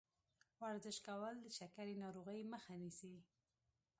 ورزش کول د شکرې ناروغۍ مخه نیسي.